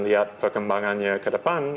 lihat perkembangannya ke depan